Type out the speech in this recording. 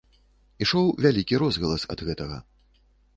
Ішоў вялікі розгалас ад гэтага.